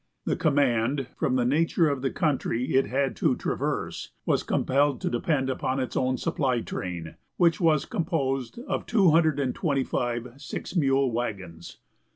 The command, from the nature of the country it had to traverse, was compelled to depend upon its own supply train, which was composed of 225 six mule wagons.